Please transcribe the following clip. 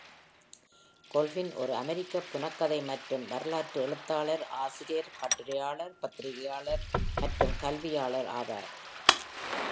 Golphin ஒரு அமெரிக்கப் புனைக்கதை மற்றும் வரலாற்று எழுத்தாளர், ஆசிரியர், கட்டுரையாளர், பத்திரிகையாளர் மற்றும் கல்வியாளர் ஆவார்.